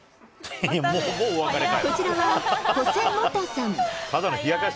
こちらは、ホセ・モタさん。